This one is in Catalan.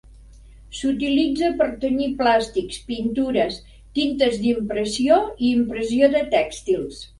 S"utilitza per tenyir plàstics, pintures, tintes d"impressió i impressió de tèxtils.